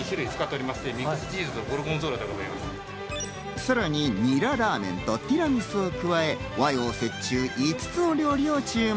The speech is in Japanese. さらに、ニララーメンとティラミスを加え、和洋折衷、５つの料理を注文。